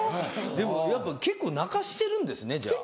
でもやっぱ結構泣かしてるんですねじゃあ。